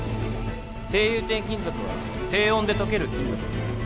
低融点金属は低温で溶ける金属です。